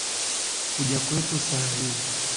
Kuja kwetu sa hii